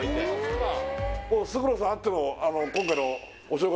もう勝呂さんあっての今回のお正月